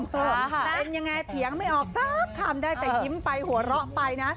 เป็นยังไงเถียงไม่ออกสักคำได้แต่ยิ้มไปหัวเราะไปนะ